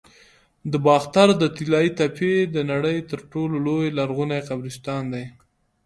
د باختر د طلایی تپې د نړۍ تر ټولو لوی لرغوني قبرستان دی